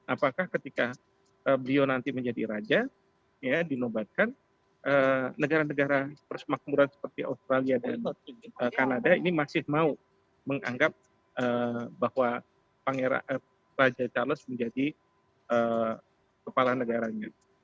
apakah ketika beliau nanti menjadi raja dinobatkan negara negara persemakmuran seperti australia dan kanada ini masih mau menganggap bahwa raja charles menjadi kepala negaranya